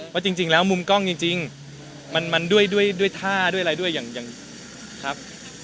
ว่าจริงแล้วมุมกล้องจริงมันด้วยท่าด้วยอะไรด้วยอย่างครับ